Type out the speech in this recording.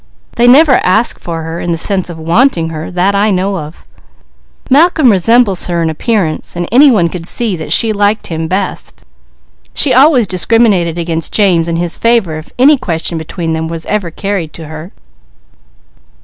They never ask for her, in the sense of wanting her, that I know of. Malcolm resembles her in appearance and any one could see that she liked him best. She always discriminated against James in his favour if any question between them were ever carried to her."